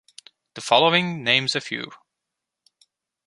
The following names a few.